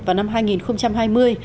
vào năm hai nghìn hai mươi